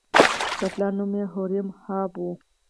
د پلار نوم یې هوریم هب و.